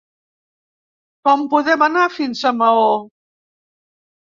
Com podem anar fins a Maó?